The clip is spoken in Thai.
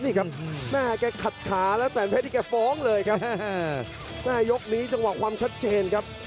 นี่ครับแม่แกขัดขาแล้วแสนเพชรนี่แกฟ้องเลยครับแม่ยกนี้จังหวะความชัดเจนครับ